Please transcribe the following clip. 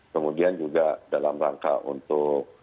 kemudian juga dalam rangka untuk